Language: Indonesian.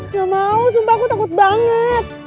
gak mau sumpah aku takut banget